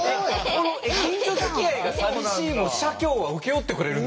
この近所づきあいが寂しいも社協は請け負ってくれるんですか？